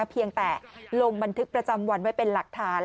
เพียงแต่ลงบันทึกประจำวันไว้เป็นหลักฐาน